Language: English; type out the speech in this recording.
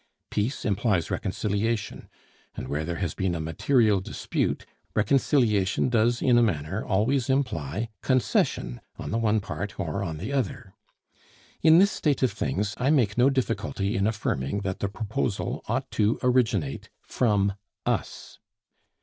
Peace implies reconciliation; and where there has been a material dispute, reconciliation does in a manner always imply concession on the one part or on the other. In this state of things I make no difficulty in affirming that the proposal ought to originate from us.